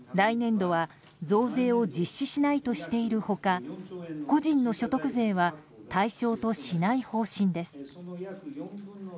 来年度は増税を実施しないとしている他個人の所得税は対象としない方針です。